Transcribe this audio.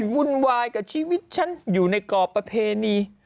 วุ่นวายกับชีวิตฉันอยู่ในกรอบประเพณี